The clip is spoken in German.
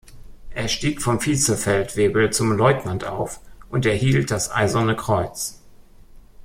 Er stieg vom Vizefeldwebel zum Leutnant auf und erhielt das Eiserne Kreuz.